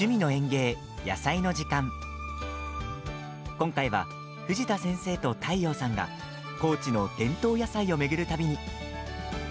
今回は、藤田先生と太陽さんが高知の伝統野菜を巡る旅に。